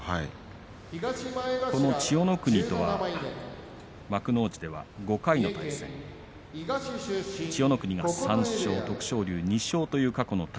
千代の国とは幕内では、５回の対戦千代の国３勝、徳勝龍２勝です。